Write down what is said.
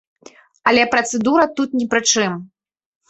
Але працэдура тут ні пры чым.